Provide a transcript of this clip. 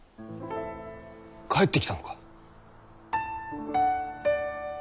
帰ってきたのか？